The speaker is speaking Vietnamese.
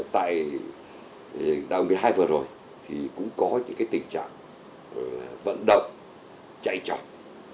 tại đài một mươi hai vừa rồi thì cũng có những tình trạng vận động chạy trọng